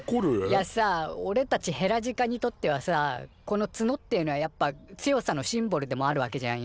いやさおれたちヘラジカにとってはさこのツノっていうのはやっぱ強さのシンボルでもあるわけじゃんよ。